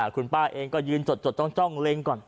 คุณป้าเองก็ยืนจดจ้องเล็งก่อน